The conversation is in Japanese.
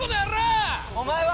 お前は！